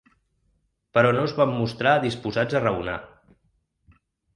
Però no es van mostrar disposats a raonar.